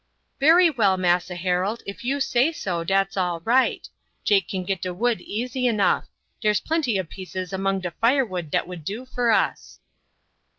"Bery well, Massa Harold; if you say so, dat's all right. Jake can git de wood easy enough; dere's plenty ob pieces among de firewood dat would do for us."